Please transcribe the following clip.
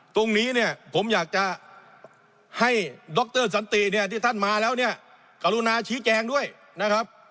ตรงนี้ผมอยากจะให้ดรสันตรีที่ท่านมาแล้วกรุณาชี้แจงด้วยนะครับ